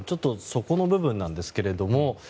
そこの部分なんですが。